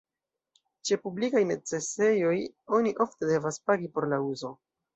Ĉe publikaj necesejoj oni ofte devas pagi por la uzo.